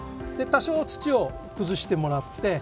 多少土をくずしてもらって。